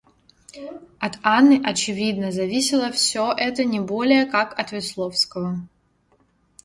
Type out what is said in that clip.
От Анны, очевидно, зависело всё это не более, как от Весловского.